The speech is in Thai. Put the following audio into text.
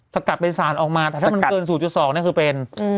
สกัดเป็นสารออกมาแต่ถ้ามันเกิน๐๒นี่คือเป็น